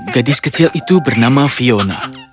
gadis kecil itu bernama fiona